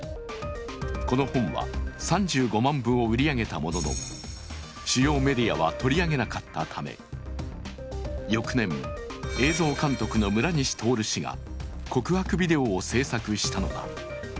この本は３５万部を売り上げたものの主要メディアは取り上げなかったため、翌年、映像監督の村西とおる氏が告白ビデオを製作したのだ。